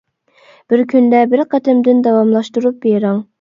بىر كۈندە بىر قېتىمدىن داۋاملاشتۇرۇپ بىرىڭ.